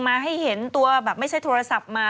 มาให้เห็นตัวแบบไม่ใช่โทรศัพท์มา